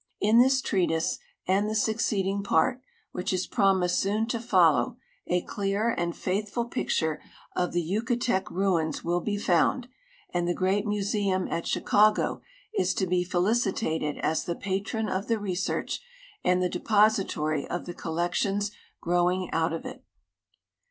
In this treatise and the succeeding ])art, which is i>romised soon to follow, a clear and faithful picture of the Yucatec ruins will be found; and the great IMuseum at Chicago is to be felicitated as the i)atron of the research and the depository of the collections growing out of it.